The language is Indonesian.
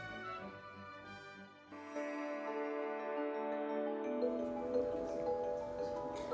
dan orang biasa